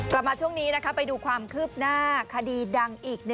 แล้วมาช่วงนี้นะคะไปดูความคือบหน้าคดีดังอีก๑